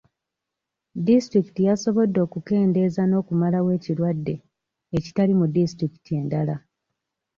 Disitulikiti yasobodde okukendeeza n'okumalawo ekirwadde, ekitali mu disitulikiti endala.